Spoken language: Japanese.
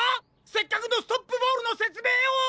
せっかくのストップボールのせつめいを。